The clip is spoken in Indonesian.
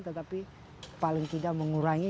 tetapi paling tidak mengurangi